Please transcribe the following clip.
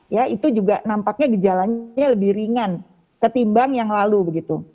ya itu juga nampaknya gejalanya lebih ringan ketimbang yang lalu begitu